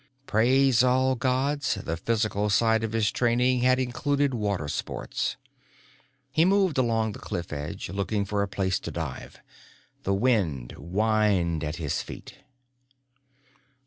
Praise all gods, the physical side of his training had included water sports. He moved along the cliff edge, looking for a place to dive. The wind whined at his feet.